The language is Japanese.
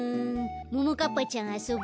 ももかっぱちゃんあそぼ。